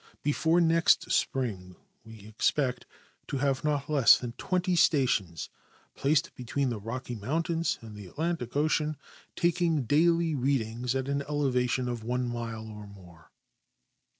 Before next spring we expect to have not less than twenty stations placed between the Rocky mountains and the Atlantic ocean taking daily readings at an elevation of one mile or more.